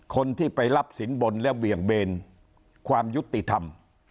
คนที่ไปรับสินบนและเบี่ยงเบนความยุติธรรม